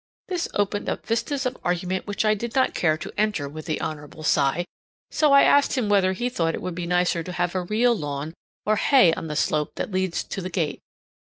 This opened up vistas of argument which I did not care to enter with the Hon. Cy, so I asked him whether he thought it would be nicer to have a real lawn or hay on the slope that leads to the gate.